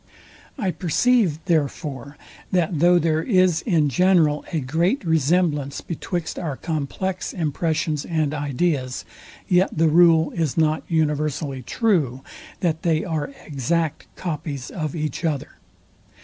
I perceive, therefore, that though there is in general a great, resemblance betwixt our complex impressions and ideas, yet the rule is not universally true, that they are exact copies of each other.